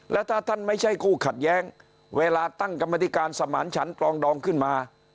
และถ้าท่านไม่ใช่คู่ขัดแย้งเวลาตั้งกรรมธิการสมานฉันปรองดองขึ้นมา